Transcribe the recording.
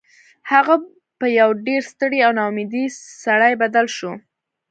هغه په یو ډیر ستړي او ناامیده سړي بدل شو